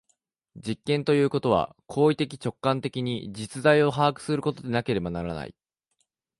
実験ということは行為的直観的に実在を把握することでなければならない。